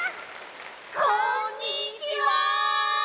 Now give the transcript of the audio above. こんにちは！